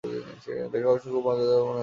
দেখে অবশ্য খুব মজাদার হবে মনেহচ্ছে।